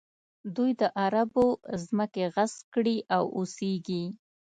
دوی د عربو ځمکې غصب کړي او اوسېږي.